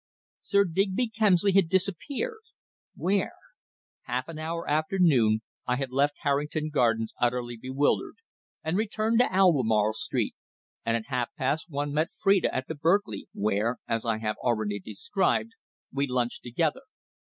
Sir Digby Kemsley had disappeared. Where? Half an hour after noon I had left Harrington Gardens utterly bewildered, and returned to Albemarle Street, and at half past one met Phrida at the Berkeley, where, as I have already described, we lunched together.